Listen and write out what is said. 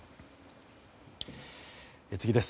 次です。